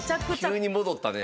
急に戻ったね